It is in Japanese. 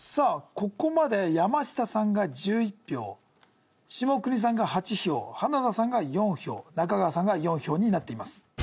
ここまで山下さんが１１票下國さんが８票花田さんが４票中川さんが４票になっています